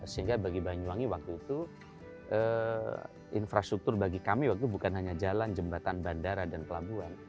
sehingga bagi banyuwangi waktu itu infrastruktur bagi kami waktu itu bukan hanya jalan jembatan bandara dan pelabuhan